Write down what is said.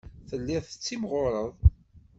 Telliḍ tettimɣureḍ.